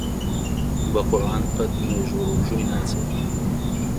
بە قورعان قەت نوێژ و ڕۆژووی ناچێ!